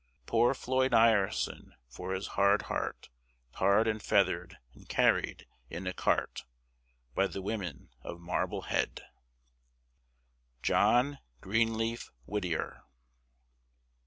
Poor Floyd Ireson, for his hard heart, Tarred and feathered and carried in a cart By the women of Marblehead! JOHN GREENLEAF WHITTIER.